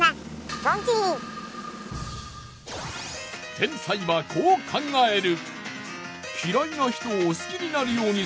天才はこう考える。